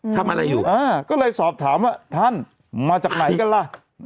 ทำอะไรอยู่ก็เลยสอบถามว่าท่านมาจากไหนกันล่ะ